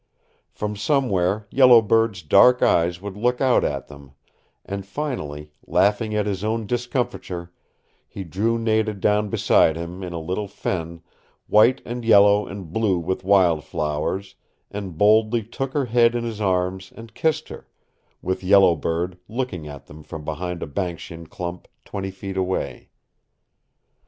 From somewhere Yellow Bird's dark eyes would look out at them, and finally, laughing at his own discomfiture, he drew Nada down beside him in a little fen, white and yellow and blue with wildflowers, and boldly took her head in his arms and kissed her with Yellow Bird looking at them from behind a banksian clump twenty feet away.